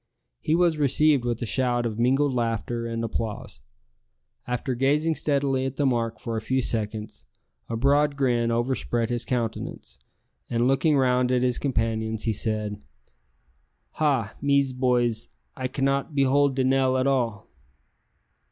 He was received with a shout of mingled laughter and applause. After gazing steadily at the mark for a few seconds, a broad grin overspread his countenance, and looking round at his companions, he said, "Ha! mes boys, I can not behold de nail at all!"